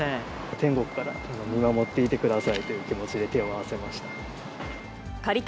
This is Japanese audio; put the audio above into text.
天国から見守っていてくださいという気持ちで手を合わせました。